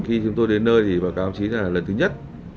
khi chúng tôi đến nơi thì báo cáo chí là lần thứ nhất